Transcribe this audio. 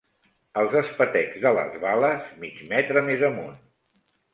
Els espetecs de les bales mig metre més amunt